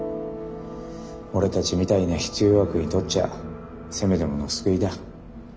俺たちみたいな必要悪にとっちゃあせめてもの救いだ。